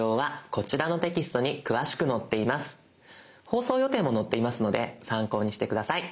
放送予定も載っていますので参考にして下さい。